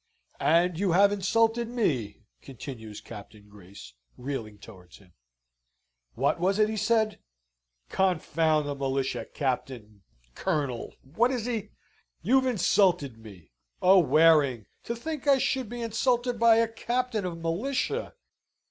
"And you have insulted me," continues Captain Grace, reeling towards him. "What was it he said? Confound the militia captain colonel, what is he? You've insulted me! Oh, Waring! to think I should be insulted by a captain of militia!"